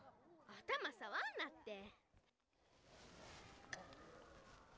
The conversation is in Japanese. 頭さわんなって。